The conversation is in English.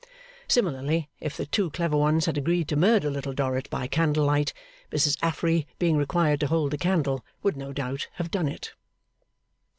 Similarly, if the two clever ones had agreed to murder Little Dorrit by candlelight, Mrs Affery, being required to hold the candle, would no doubt have done it.